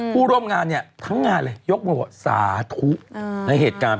ผู้ร่วมงานเนี่ยทั้งงานเลยยกมือบอกสาธุในเหตุการณ์